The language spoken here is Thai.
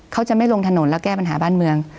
เขาจะไม่ลงถนนแล้วแก้ปัญหาบ้านเมือง